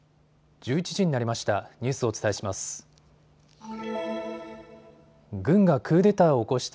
１１時になりました。